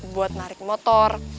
buat narik motor